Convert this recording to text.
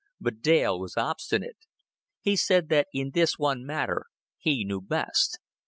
But Dale was obstinate. He said that in this one matter he knew best.